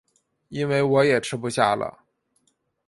因为我也吃不下了